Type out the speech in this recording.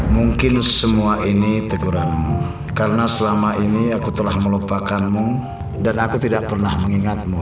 mungkin semua ini teguranmu karena selama ini aku telah melupakanmu dan aku tidak pernah mengingatmu